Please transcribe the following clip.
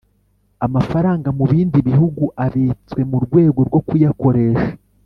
Amafaranga mu bindi bihugu abitswe mu rwego rwo kuyakoresha